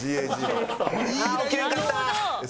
ああー起きれんかった！